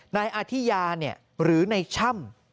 นายอาธิยาเนี่ยหรือในช่ำ